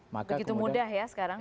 begitu mudah ya sekarang